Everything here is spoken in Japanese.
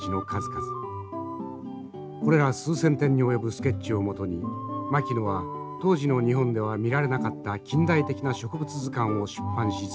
これら数千点に及ぶスケッチをもとに牧野は当時の日本では見られなかった近代的な植物図鑑を出版し続けました。